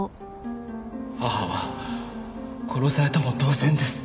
母は殺されたも同然です。